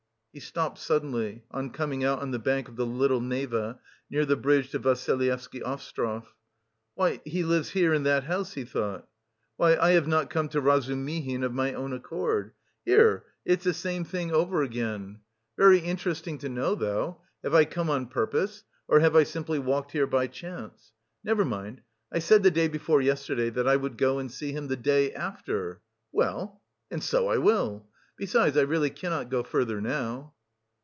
He stopped suddenly, on coming out on the bank of the Little Neva, near the bridge to Vassilyevsky Ostrov. "Why, he lives here, in that house," he thought, "why, I have not come to Razumihin of my own accord! Here it's the same thing over again.... Very interesting to know, though; have I come on purpose or have I simply walked here by chance? Never mind, I said the day before yesterday that I would go and see him the day after; well, and so I will! Besides I really cannot go further now."